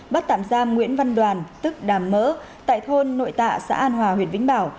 bắt tạm giam nguyễn văn đoàn tức đàm mỡ tại thôn nội tạ xã an hòa huyện vĩnh bảo